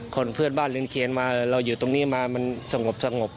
เพื่อนบ้านเรือนเคียนมาเราอยู่ตรงนี้มามันสงบ